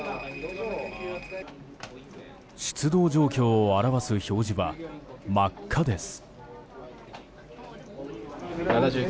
出動状況を表す表示は真っ赤です。